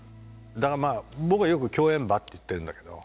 だから僕はよく「共演馬」って言ってるんだけど。